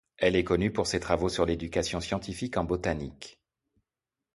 Elle est connue pour ses travaux sur l'éducation scientifique en botanique.